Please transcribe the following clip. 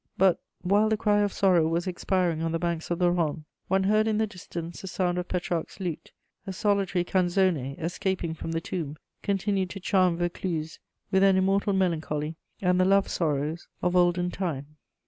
But, while the cry of sorrow was expiring on the banks of the Rhone, one heard in the distance the sound of Petrarch's lute: a solitary canzone, escaping from the tomb, continued to charm Vaucluse with an immortal melancholy and the love sorrows of olden time.